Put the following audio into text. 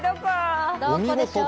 どこでしょうか。